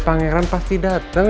pangeran pasti dateng